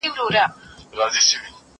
هغه وويل چي درسونه تيارول ضروري دي